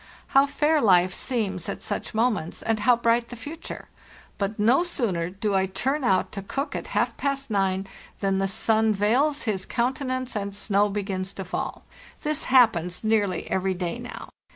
How fair life seems at such moments, and how bright the future! But no sooner do I turn out to cook at half past nine than the sun veils his counte nance and snow begins to fall. This happens nearly every day now.